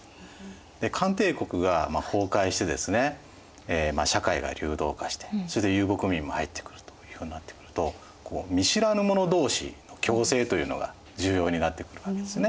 で漢帝国が崩壊してですね社会が流動化してそれで遊牧民も入ってくるというようになってくると見知らぬ者同士の共生というのが重要になってくるわけですね。